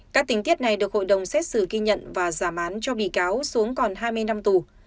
các tình tiết này được hội đồng xét xử ghi nhận và giảm án cho bị cáo xuống còn hai mươi năm tù